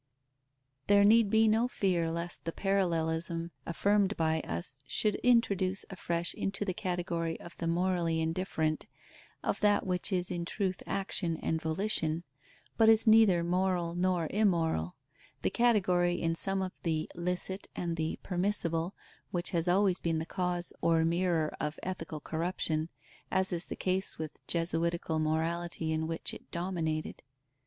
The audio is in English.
_ There need be no fear lest the parallelism affirmed by us should introduce afresh into the category of the morally indifferent, of that which is in truth action and volition, but is neither moral nor immoral; the category in sum of the licit and of the permissible, which has always been the cause or mirror of ethical corruption, as is the case with Jesuitical morality in which it dominated.